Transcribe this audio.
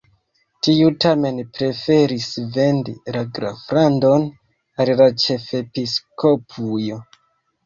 Tiu tamen preferis vendi la graflandon al la ĉefepiskopujo.